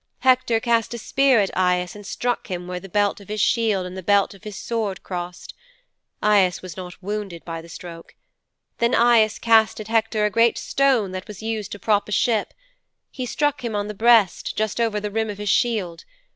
Hector cast a spear at Aias and struck him where the belt of his shield and the belt of his sword crossed. Aias was not wounded by the stroke. Then Aias cast at Hector a great stone that was used to prop a ship. He struck him on the breast, just over the rim of his shield.